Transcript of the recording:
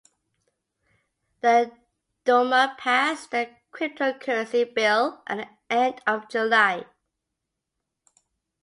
The Duma passed the cryptocurrency bill at the end of July.